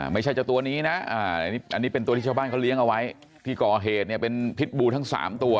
ไม่ใช่เจ้าตัวนี้นะอันนี้เป็นตัวที่ชาวบ้านเขาเลี้ยงเอาไว้ที่ก่อเหตุเนี่ยเป็นพิษบูทั้ง๓ตัว